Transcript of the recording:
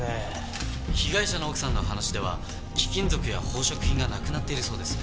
被害者の奥さんの話では貴金属や宝飾品がなくなっているそうです。